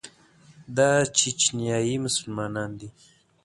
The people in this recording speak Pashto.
دا چیچنیایي مسلمانان دي.